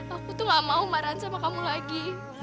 aku tuh gak mau marahan sama kamu lagi